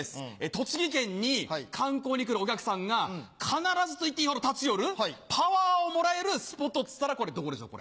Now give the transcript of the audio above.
栃木県に観光に来るお客さんが必ずといっていいほど立ち寄るパワーをもらえるスポットっていったらどこでしょう？